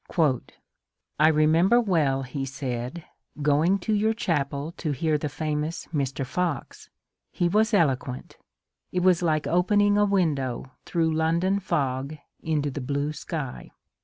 ^^ I remember well," he said, going to your chapel to hear the famous Mr. Fox. He was eloquent ; it was like opening a window through London fog into the blue sky.